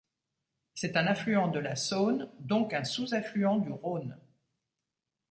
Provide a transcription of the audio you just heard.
C'est un affluent de la Saône, donc un sous-affluent du Rhône.